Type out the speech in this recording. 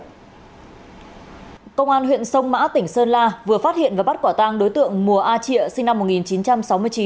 công an huyện sông mã tỉnh sơn la vừa phát hiện và bắt quả tang đối tượng mùa a trịa sinh năm một nghìn chín trăm sáu mươi chín